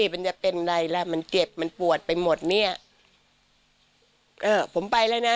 มันจะเป็นอะไรล่ะมันเจ็บมันปวดไปหมดเนี้ยเออผมไปแล้วนะ